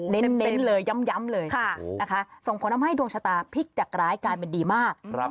เน้นเลยย้ำเลยนะคะส่งผลทำให้ดวงชะตาพลิกจากร้ายกลายเป็นดีมาก